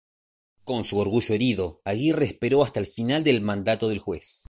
Con su orgullo herido, Aguirre esperó hasta el final del mandato del juez.